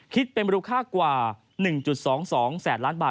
คิดเป็นมูลค่ากว่า๑๒๒แสนล้านบาท